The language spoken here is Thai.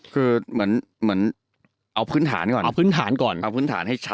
คือเหมือนเอาพื้นฐานก่อนเอาพื้นฐานให้ชัดก่อน